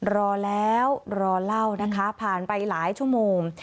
รอแล้วรอเล่านะคะผ่านไปหลายชั่วโมง